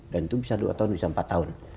dan itu bisa dua tahun bisa empat tahun